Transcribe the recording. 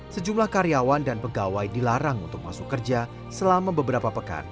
sejumlah karyawan dan pegawai dilarang untuk masuk kerja selama beberapa pekan